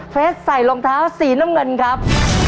เฟสใส่รองเท้าสีน้ำเงินครับ